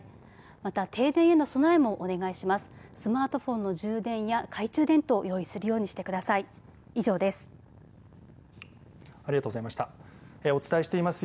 また停電への備えもお願いします。